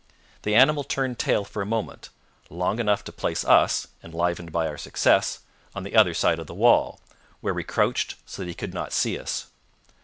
The animal turned tail for a moment long enough to place us, enlivened by our success, on the other side of the wall, where we crouched so that he could not see us.